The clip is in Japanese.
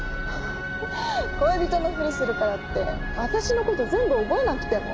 恋人のふりするからって私の事全部覚えなくても。